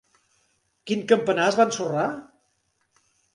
Quin campanar es va ensorrar?